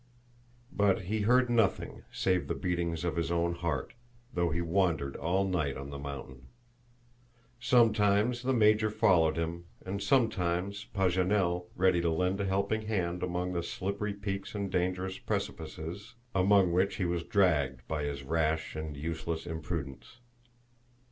But he heard nothing save the beatings of his own heart, though he wandered all night on the mountain. Sometimes the Major followed him, and sometimes Paganel, ready to lend a helping hand among the slippery peaks and dangerous precipices among which he was dragged by his rash and useless imprudence.